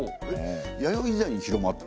弥生時代に広まった。